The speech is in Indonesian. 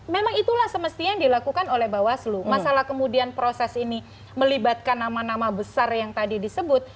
memang itulah semestinya yang dilakukan oleh bawaslu masalah kemudian proses ini melibatkan nama nama besar yang tadi disebut